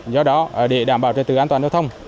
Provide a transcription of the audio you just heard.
do đó để đảm bảo trẻ tử an toàn giao thông